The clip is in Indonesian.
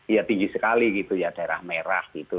ya tinggi sekali gitu ya daerah merah gitu